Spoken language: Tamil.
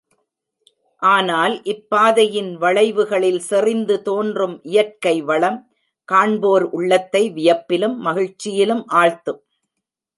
ஆனால் இப்பாதையின் வளைவுகளில் செறிந்து தோன்றும் இயற்கை வளம், காண்போர் உள்ளத்தை வியப்பிலும் மகிழ்ச்சியிலும் ஆழ்த்தும்.